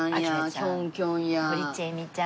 堀ちえみちゃん。